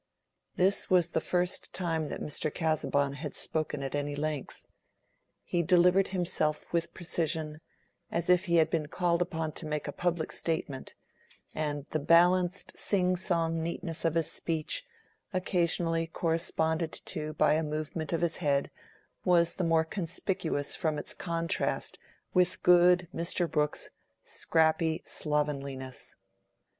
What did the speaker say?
This was the first time that Mr. Casaubon had spoken at any length. He delivered himself with precision, as if he had been called upon to make a public statement; and the balanced sing song neatness of his speech, occasionally corresponded to by a movement of his head, was the more conspicuous from its contrast with good Mr. Brooke's scrappy slovenliness.